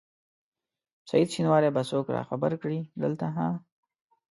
سعید شېنواری به څوک راخبر کړي دلته ها؟